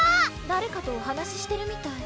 誰かとお話してるみたい